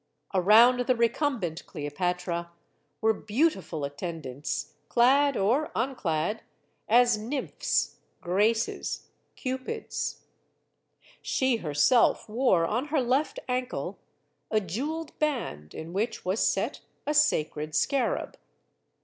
Around the recumbent Cleopatra were beautiful at tendants, clad or unclad as Nymphs, Graces, 146 STORIES OF THE SUPER WOMEN Cupids. She herself wore, on her left ankle, a jeweled band in which was set a sacred scarab.